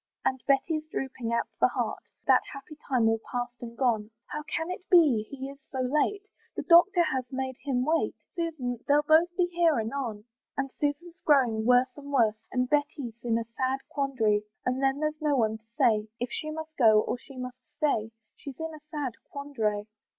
And Betty's drooping at the heart, That happy time all past and gone, "How can it be he is so late? "The doctor he has made him wait, "Susan! they'll both be here anon." And Susan's growing worse and worse, And Betty's in a sad quandary; And then there's nobody to say If she must go or she must stay: She's in a sad quandary.